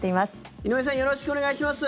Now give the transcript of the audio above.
井上さんよろしくお願いします。